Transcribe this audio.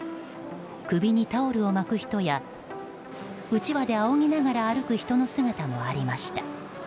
首にタオルを巻く人やうちわであおぎながら歩く人の姿もありました。